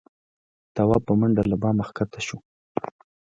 تواب په منډه له بامه کښه شو.